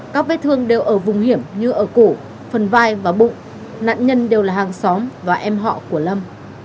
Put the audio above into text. các vết thương đều ở vùng hiểm như ở cổ phần vai và bụng nạn nhân đều là hàng xóm và em họ của lâm